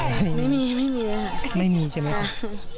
ไม่มีไม่มีไม่มีใช่ไหมครับค่ะ